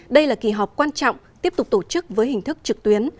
đây là kỳ họp quan trọng tiếp tục tổ chức với hình thức trực tuyến